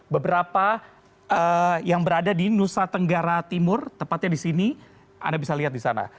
beberapa yang berada di nusa tenggara timur tepatnya di sini anda bisa lihat di sana